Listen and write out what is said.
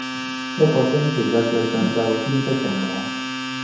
一個星期日嘅上晝天色晴朗